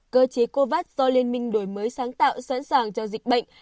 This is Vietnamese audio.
cơ chế covax do liên minh đổi mới sáng tạo sẵn sàng cho dịch bệnh